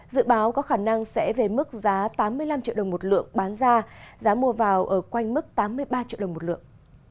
dự báo có khả năng sẽ về mức giá tám mươi năm triệu đồng một lượng bán ra giá mua vào ở quanh mức tám mươi ba triệu đồng một lượng